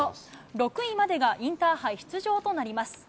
６位までがインターハイ出場となります。